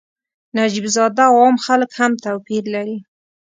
نجیب زاده او عام خلک هم توپیر لري.